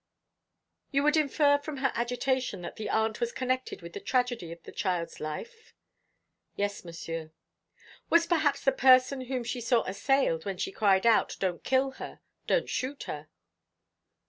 "You would infer from her agitation that the aunt was connected with the tragedy of the child's life?" "Yes, Monsieur." "Was perhaps the person whom she saw assailed when she cried out, 'Don't kill her; don't shoot her!'"